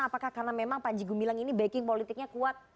apakah karena memang panji gumilang ini backing politiknya kuat